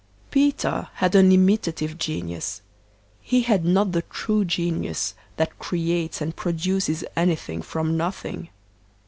Peter had an imitative genius; he had not the true genius that creates and produces anything from nothing.